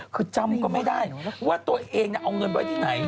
คือจำก็ไม่ได้ว่าตัวเองเอาเงินไว้ที่ไหน